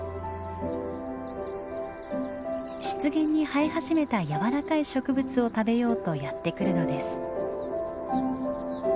湿原に生え始めた柔らかい植物を食べようとやって来るのです。